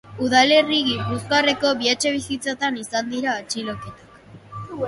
Udalerri gipuzkoarreko bi etxebizitzatan izan dira atxiloketak.